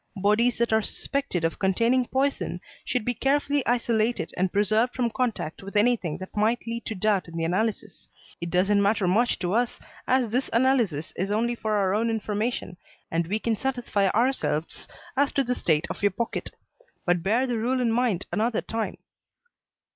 Bodies that are suspected of containing poison should be carefully isolated and preserved from contact with anything that might lead to doubt in the analysis. It doesn't matter much to us, as this analysis is only for our own information and we can satisfy ourselves as to the state of your pocket. But bear the rule in mind another time."